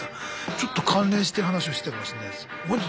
ちょっと関連してる話をしてたかもしれないです。